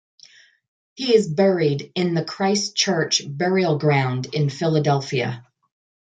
He is buried in the Christ Church Burial Ground in Philadelphia.